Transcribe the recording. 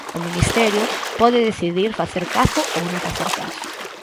O Ministerio pode decidir facer caso ou non facer caso.